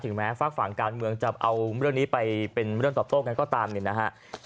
ถึงแม้ฟาดฝั่งการเมืองจะเอาเรื่องนี้ไปเป็นเรื่องตอบโต๊ะกันก็ตามนิดนะครับ